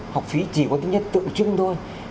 học phí chỉ có cái nhất tự chứng thôi